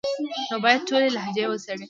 نو بايد ټولي لهجې وڅېړي،